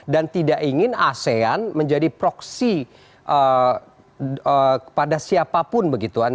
dan tidak ingin asean menjadi proksi kepada siapapun